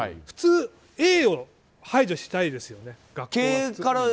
普通Ａを排除したいですよね。